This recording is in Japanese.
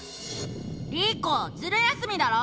「リコズル休みだろ！